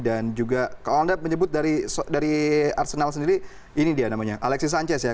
dan juga kalau anda menyebut dari arsenal sendiri ini dia namanya alexis sanchez ya